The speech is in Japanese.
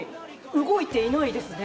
動いていないですね。